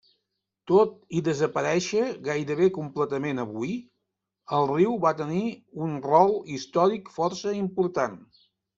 Tot i desaparèixer gairebé completament avui, el riu va tenir un rol històric força important.